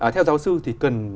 theo giáo sư thì cần